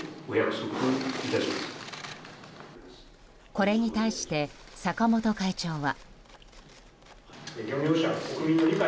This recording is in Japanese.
これに対して坂本会長は。